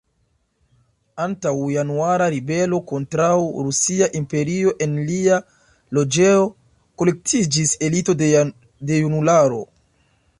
Antaŭ Januara Ribelo kontraŭ Rusia Imperio en lia loĝejo kolektiĝis elito de junularo.